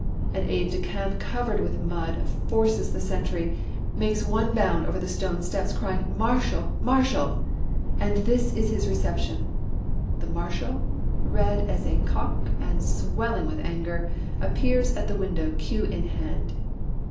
An aide de camp, covered with mud, forces the sentry, makes one bound over the stone steps, crying, '' Marshal, Marshal !" And this is his reception : the Marshal, red as a cock, and swelling with anger, appears at the window, cue in hand.